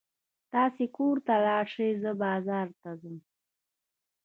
تاسې کور ته ولاړ شئ، زه بازار ته ځم.